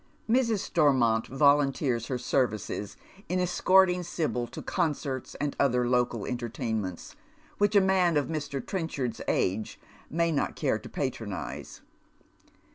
Mrs. Stormont volunteers her services in escorting Sibyl to concerts, and other local entertainments which a man of Mr. Trenchard's age may not care to patronize.